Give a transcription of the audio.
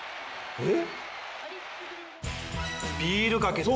えっ！？